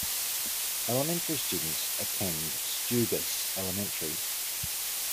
Elementary students attend Stugis Elementary.